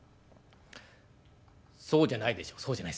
「そうじゃないでしょう」。